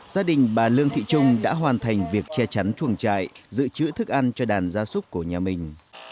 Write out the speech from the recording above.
gia đình bà lương thị trung đã hoàn thành việc che chắn chuồng trại giữ chữ thức ăn cho đàn da súc của nhà mình